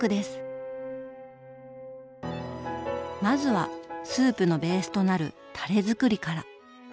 まずはスープのベースとなるタレづくりから。